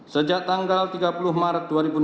sejak tanggal tiga puluh maret dua ribu enam belas